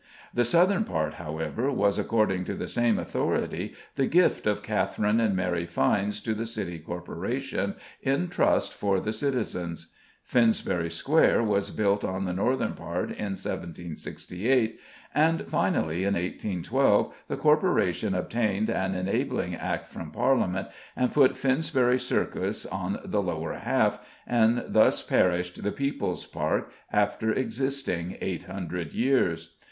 The southern part, however, was, according to the same authority, the gift of Catherine and Mary Fynes to the City Corporation in trust for the citizens. Finsbury Square was built on the northern part in 1768, and finally, in 1812, the Corporation obtained an enabling Act from Parliament and put Finsbury Circus on the lower half, and thus perished the People's Park after existing 800 years.